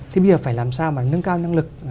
thì bây giờ phải làm sao mà nâng cao năng lực